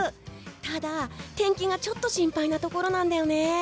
ただ、天気がちょっと心配なところなんだよね。